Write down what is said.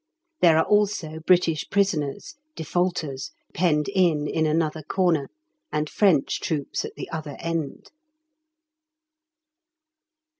There are also British prisoners (defaulters) penned in in another corner, and French troops at the other end!